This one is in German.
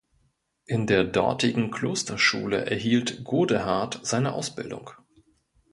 In der dortigen Klosterschule erhielt Godehard seine Ausbildung.